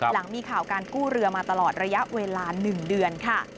หลังมีข่าวการกู้เรือมาตลอดระยะเวลา๑เดือนค่ะ